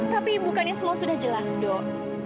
tapi bukannya semua sudah jelas dok